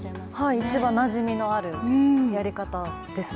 一番なじみのあるやり方ですね。